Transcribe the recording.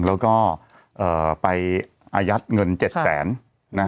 แล้วก็ไปอายัดเงิน๗๐๐๐๐๐